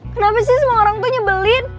kenapa sih semua orang tuh nyebelin